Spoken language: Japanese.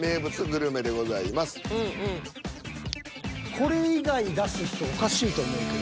これ以外出す人おかしいと思うけど。